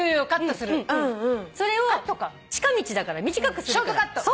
それを近道だから短くする。